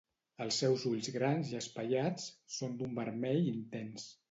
Els seus ulls grans i espaiats són d'un vermell intens.